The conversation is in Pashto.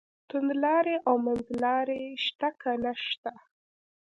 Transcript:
توندلاري او منځلاري شته که نشته.